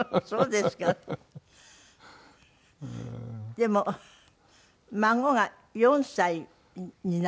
でも孫が４歳になった？